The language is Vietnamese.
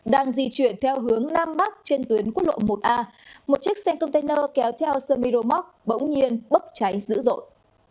đang di chuyển theo hướng nam bắc trên tuyến quốc lộ một a một chiếc xe container kéo theo sermiro moc bỗng nhiên bấp cháy dữ dội